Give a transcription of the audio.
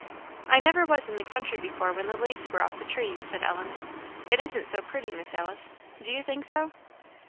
"I never was in the country before when the leaves were off the trees," said Ellen. "It isn't so pretty, Miss Alice; do you think so?"